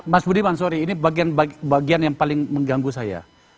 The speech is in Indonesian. mas budi mansuri ini bagian bagian yang paling mengganggu saya